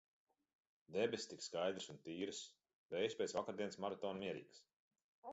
Debesis tik skaidras un tīras, vējš pēc vakardienas maratona mierīgs.